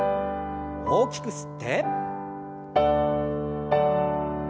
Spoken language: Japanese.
大きく吸って。